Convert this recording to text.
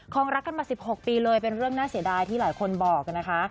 งรักกันมา๑๖ปีเลยเป็นเรื่องน่าเสียดายที่หลายคนบอกนะคะ